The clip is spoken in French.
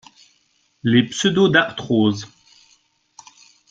Les pseudarthroses.